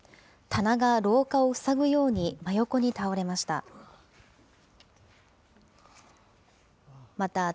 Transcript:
棚が廊下を塞ぐように真横に倒れました。